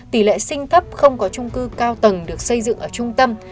tỷ lệ sinh thấp không có trung cư cao tầng được xây dựng ở trung tâm